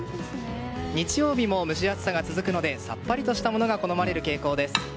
日曜日も蒸し暑さが続くのでさっぱりとしたものが好まれる傾向です。